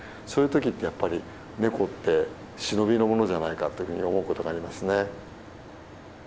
そういう時ってやっぱりネコって忍びのものじゃないかっていうふうに思うことがありますね。